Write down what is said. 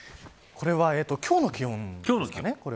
これは今日の気温ですかね。